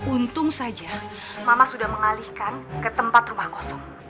untung saja mama sudah mengalihkan ke tempat rumah kosong